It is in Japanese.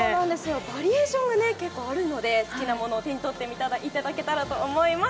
バリエーションが結構あるので好きなものを手に取っていただきたいと思います。